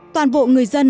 toàn bộ người dân